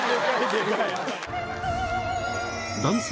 男性